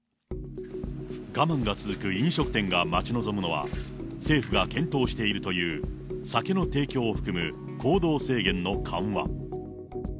我慢が続く飲食店が待ち望むのは、政府が検討しているという酒の提供を含む、行動制限の緩和。